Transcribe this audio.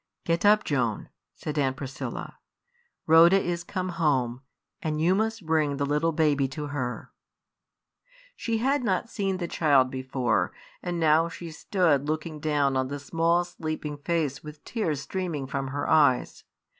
"Get up, Joan," said Aunt Priscilla. "Rhoda is come home, and you must bring the little baby to her." She had not seen the child before; and now she stood looking down on the small sleeping face with tears streaming from her eyes.